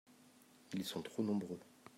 ils sont trop nombreux.